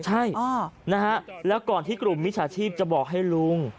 ใช่นะฮะแล้วก่อนที่กลุ่มมิจฉาชีพจะบอกให้ลุง